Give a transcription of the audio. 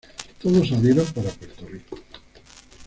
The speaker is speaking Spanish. Todos salieron para Puerto Rico.